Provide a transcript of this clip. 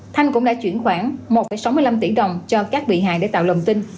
thanh cũng đã chuyển khoản một sáu mươi năm tỷ đồng cho các bị hại để tạo lầm tin